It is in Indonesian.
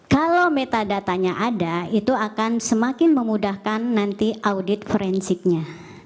kalau metadatanya ada itu akan semakin memudahkan nanti audit forensiknya